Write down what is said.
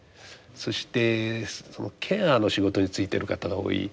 そしてそのケアの仕事に就いている方が多い。